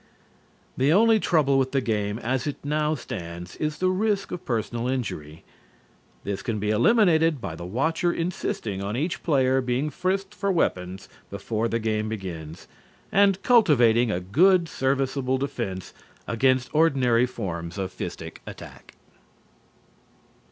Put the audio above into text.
The only trouble with the game as it now stands is the risk of personal injury. This can be eliminated by the watcher insisting on each player being frisked for weapons before the game begins and cultivating a good serviceable defense against ordinary forms of fistic attack.